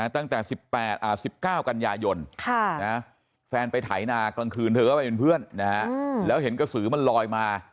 ตั้งแต่๑๙กันยายนแฟนไปไถนากลางคืนเธอก็ไปเป็นเพื่อนแล้วเห็นกระสือมันลอยมา